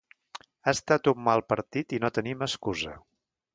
“Ha estat un mal partit i no tenim excusa”.